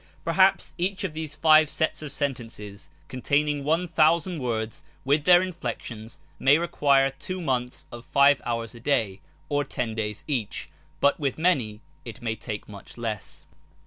Perhaps each of these five seta of sentences, containing one thousand words, with their inflexions, may require two months of five hours a day, or ten days each ; but with many it may take much less.